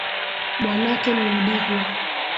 Bwanake ni mdigo